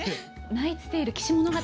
「ナイツ・テイル−騎士物語−」